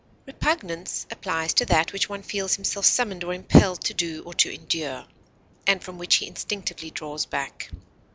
Repugnance applies to that which one feels himself summoned or impelled to do or to endure, and from which he instinctively draws back.